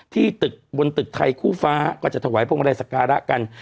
ที่บนตึกไทยคู่ฟ้าก็จะถวายพวกอะไรสการะกัน